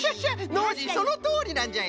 ノージーそのとおりなんじゃよ。